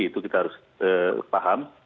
itu kita harus paham